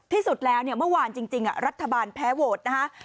ที่สุดแล้วเนี่ยเมื่อวานจริงรัฐบาลแพ้โหวตนะฮะ